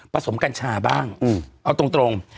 สมกัญชาบ้างเอาตรง